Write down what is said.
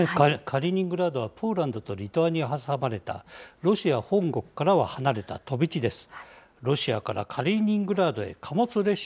カリーニングラードは、ポーランドとリトアニアに挟まれたロシア本国からは離れた飛び地です。